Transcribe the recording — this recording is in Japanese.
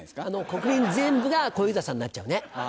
国民全部が小遊三さんになっちゃうね。